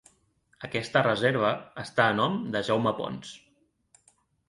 Aquesta reserva està a nom de Jaume Pons.